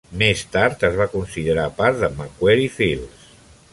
Més tard es va considerar part de Macquarie Fields.